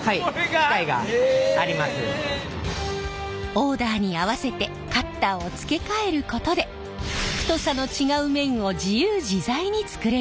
オーダーに合わせてカッターを付け替えることで太さの違う麺を自由自在に作れます。